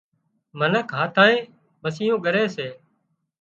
منک هاٿانئي مسيون ڳري سي